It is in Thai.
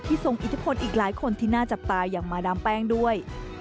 ทรงอิทธิพลอีกหลายคนที่น่าจับตาอย่างมาดามแป้งด้วย